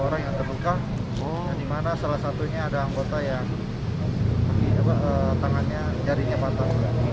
orang yang terbuka oh dimana salah satunya ada anggota yang pergi ke tangannya